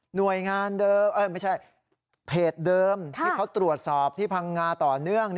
หน่วยงานเดิมไม่ใช่เพจเดิมที่เขาตรวจสอบที่พังงาต่อเนื่อง